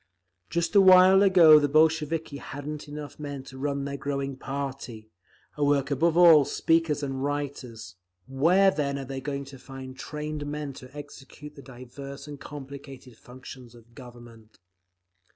Just a little while ago the Bolsheviki hadn't enough men to run their growing party—a work above all of speakers and writers; where then are they going to find trained men to execute the diverse and complicated functions of government?